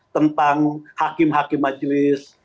tentang hakim hakim majelis